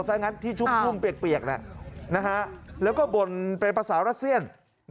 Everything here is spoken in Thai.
ซะงั้นที่ชุ่มเปียกแล้วก็บ่นเป็นภาษารัสเซียน